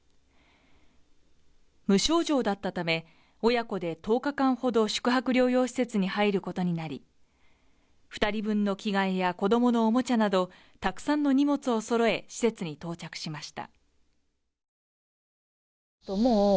無症状だったため、親子で１０日間ほど宿泊療養施設に入ることになり、２人分の着替えや子供のおもちゃなどたくさんの荷物をそろえ、施設に到着しました。